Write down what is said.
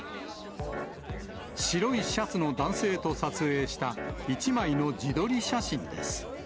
白いシャツの男性と撮影した１枚の自撮り写真です。